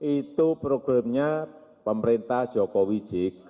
itu programnya pemerintah joko widjika